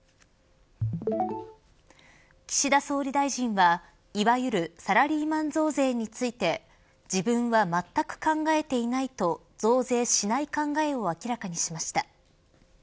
岸田総理大臣はいわゆるサラリーマン増税について自分は全く考えていないと増税しない考えを明らかにしました。